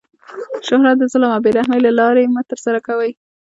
شهرت د ظلم او بې رحمۍ له لاري مه ترسره کوئ!